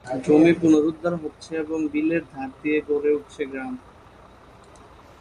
জমি পুনরুদ্ধার হচ্ছে এবং বিলের ধার দিয়ে গড়ে উঠছে গ্রাম।